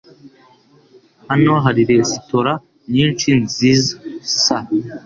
Hano hari resitora nyinshi nziza s